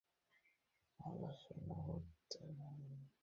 আর একদিন কবিতা ছাড়া অন্য কিছুর আলোচনা করতেন না।